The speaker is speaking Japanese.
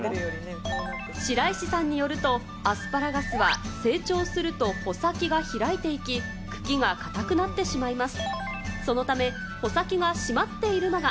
白石さんによると、アスパラガスは成長すると穂先が開いていき、茎がかたくなってしまいます。